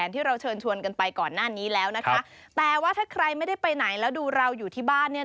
แต่ว่าถ้าใครไม่ได้ไปไหนแล้วดูเราอยู่ที่บ้าน